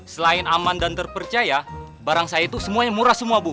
selain aman dan terpercaya barang saya itu semuanya murah semua bu